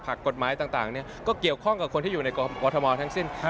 กฎหมายต่างก็เกี่ยวข้องกับคนที่อยู่ในกรทมทั้งสิ้น